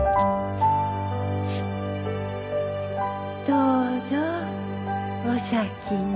どうぞお先に